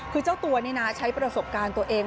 คือเจ้าตัวนี่นะใช้ประสบการณ์ตัวเอง